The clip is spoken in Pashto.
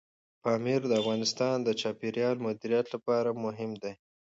پامیر د افغانستان د چاپیریال د مدیریت لپاره مهم دي.